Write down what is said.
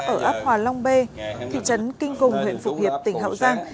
ở ấp hòa long bê thị trấn kinh cùng huyện phụ hiệp tỉnh hậu giang